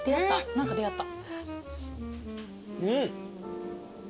何か出合った。